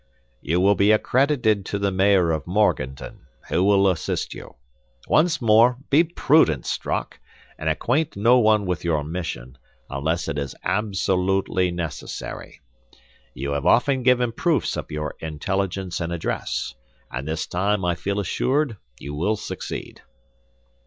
"You will be accredited to the Mayor of Morganton, who will assist you. Once more, be prudent, Strock, and acquaint no one with your mission, unless it is absolutely necessary. You have often given proofs of your intelligence and address; and this time I feel assured you will succeed."